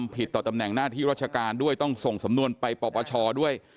ผิดต่อตำแหน่งหน้าที่ราชการด้วยต้องส่งสำนวนไปปปชด้วย